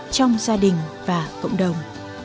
trong gia đình và cộng đồng